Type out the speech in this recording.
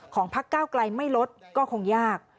ของพักเก้ากลายไม่ลดก็คงยาก